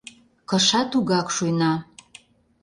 Кыша тугак шуйна.